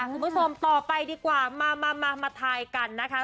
คุณผู้ชมต่อไปดีกว่ามามาทายกันนะคะ